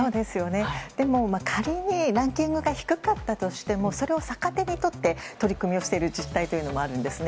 でも、仮にランキングが低かったとしてもそれを逆手に取って取り組みをしている自治体もあるんですね。